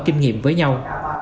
kinh nghiệm với nhau